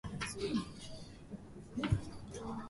終着点を想像する。しりとりのように思い浮かんだ言葉をつなげていく。